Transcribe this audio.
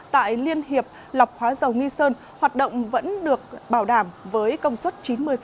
tại liên hiệp lọc hóa dầu nghi sơn hoạt động vẫn được bảo đảm với công suất chín mươi